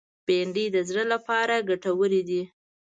بېنډۍ د زړه لپاره ګټوره ده